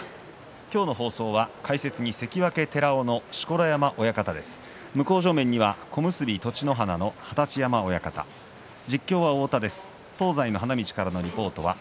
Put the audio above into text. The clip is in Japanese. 今日の放送は解説に関脇寺尾の錣山親方、向正面には小結栃乃花の二十山親方です。